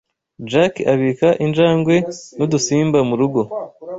Jack abika injangwe nudusimba murugo.